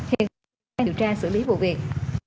hiện trường đang điều tra xử lý vụ việc